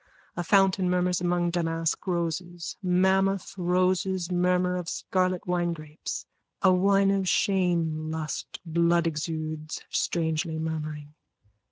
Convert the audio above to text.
A fountain murmurs among damask roses. Mammoth roses murmur of scarlet winegrapes. A wine of shame, lust, blood exudes, strangely murmuring.)